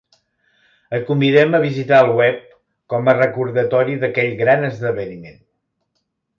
Et convidem a visitar el web, com a recordatori d'aquell gran esdeveniment.